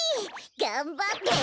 がんばって！